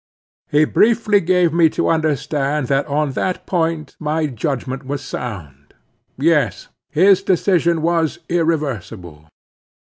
He briefly gave me to understand that on that point my judgment was sound. Yes: his decision was irreversible.